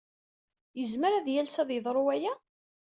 Yezmer ad yales ad yeḍru waya?